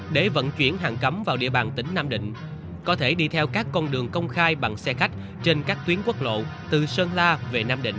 để vận chuyển hàng cấm vào địa bàn tỉnh nam định có thể đi theo các con đường công khai bằng xe khách trên các tuyến quốc lộ từ sơn la về nam định